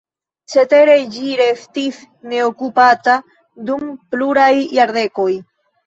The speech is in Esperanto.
Cetere ĝi restis neokupata dum pluraj jardekoj.